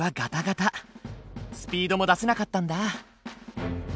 スピードも出せなかったんだ。